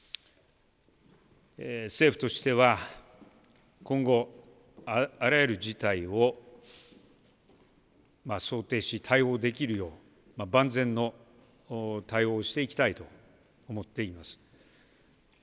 政府としては今後、あらゆる事態を想定し、対応できるよう万全の対応をしていきたいと思っています。